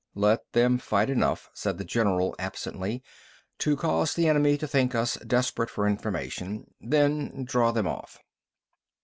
"Let them fight enough," said the general absently, "to cause the enemy to think us desperate for information. Then draw them off."